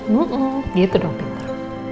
gitu dong pinter